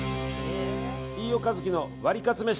飯尾和樹のワリカツめし。